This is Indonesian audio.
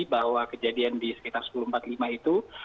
bahwa kejadian di sekitar sepuluh empat puluh lima itu